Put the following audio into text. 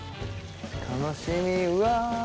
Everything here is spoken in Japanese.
楽しみうわ！